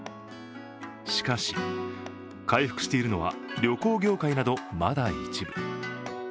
しかし、回復しているのは旅行業界などまだ一部。